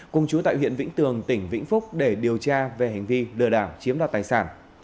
cùng chú tại huyện vĩnh tường tỉnh vĩnh phúc để điều tra về hành vi lừa đảo chiếm đoạt tài sản